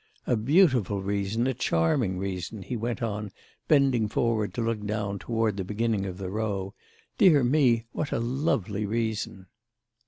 A beautiful reason, a charming reason," he went on, bending forward to look down toward the beginning of the Row. "Dear me, what a lovely reason!"